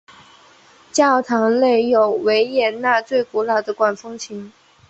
教堂内有维也纳最古老的管风琴。